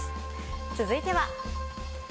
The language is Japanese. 続いては。